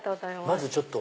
まずちょっと。